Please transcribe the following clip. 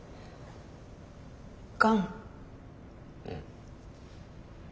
うん。